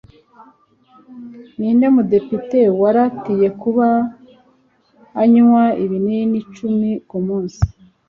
Ninde mudepite wiratiye kuba anywa ibinini icumi kumunsi?